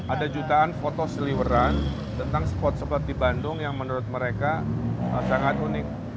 ada jutaan foto seliweran tentang spot spot di bandung yang menurut mereka sangat unik